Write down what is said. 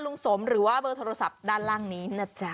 ลุงสมหรือว่าเบอร์โทรศัพท์ด้านล่างนี้นะจ๊ะ